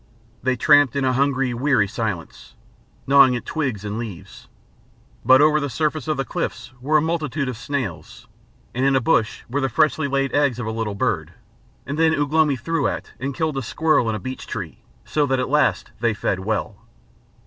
They tramped in a hungry weary silence, gnawing at twigs and leaves. But over the surface of the cliffs were a multitude of snails, and in a bush were the freshly laid eggs of a little bird, and then Ugh lomi threw at and killed a squirrel in a beech tree, so that at last they fed well.